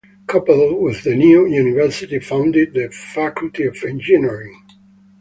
Coupled with the new University founded the Faculty of Engineering.